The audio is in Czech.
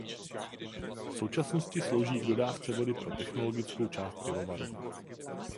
V současnosti slouží k dodávce vody pro technologickou část pivovaru.